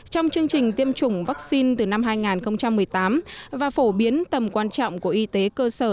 trong chương trình tiêm chủng vaccine từ năm hai nghìn một mươi tám và phổ biến tầm quan trọng của y tế cơ sở